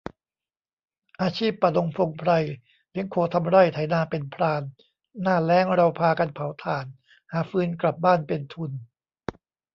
อาชีพป่าดงพงไพร เลี้ยงโคทำไร่ ไถนาเป็นพราน หน้าแล้งเราพากันเผาถ่าน หาฟืนกลับบ้านเป็นทุน